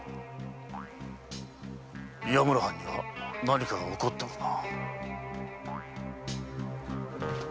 岩村藩には何かが起こっておるな。